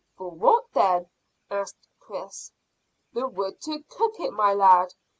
"For what then?" asked Chris. "The wood to cook it, my lad.